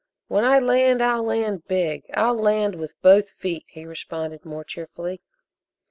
"When I land, I'll land big I'll land with both feet," he responded more cheerfully.